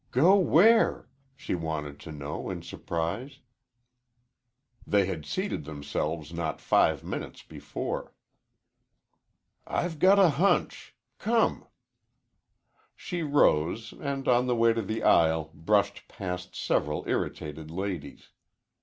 "Go where?" she wanted to know in surprise. They had seated themselves not five minutes before. "I've got a hunch. Come." She rose, and on the way to the aisle brushed past several irritated ladies.